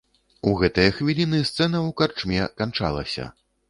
У гэтыя хвіліны сцэна ў карчме канчалася.